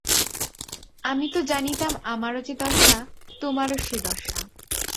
আমি তো জানিতাম আমারও যে দশা তোমারও সে দশা।